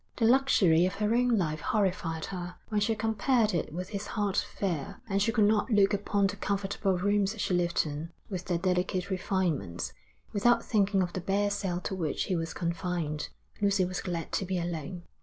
The luxury of her own life horrified her when she compared it with his hard fare; and she could not look upon the comfortable rooms she lived in, with their delicate refinements, without thinking of the bare cell to which he was confined. Lucy was glad to be alone.